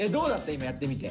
今やってみて。